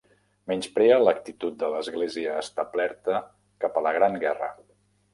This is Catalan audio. Menysprea l'actitud de l'església establerta cap a la Gran Guerra.